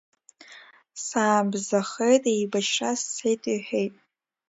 Саабзахеит, еибашьра сцеит, иҳәеит.